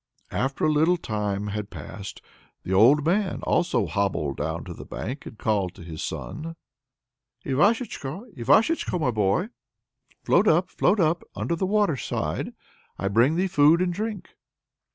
After a little time had passed by, the old man also hobbled down to the bank and called to his son: Ivashechko, Ivashechko, my boy, Float up, float up, unto the waterside; I bring thee food and drink.